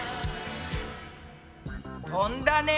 飛んだね。